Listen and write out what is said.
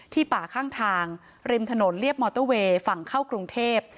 ป่าข้างทางริมถนนเรียบมอเตอร์เวย์ฝั่งเข้ากรุงเทพ